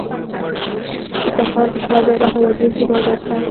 د تخار په خواجه بهاوالدین کې مالګه شته.